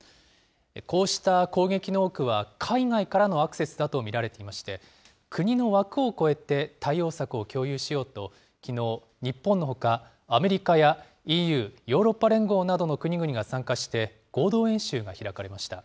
こうした攻撃の多くは、海外からのアクセスだと見られていまして、国の枠を超えて、対応策を共有しようと、きのう、日本のほかアメリカやＥＵ・ヨーロッパ連合などの国々が参加して、合同演習が開かれました。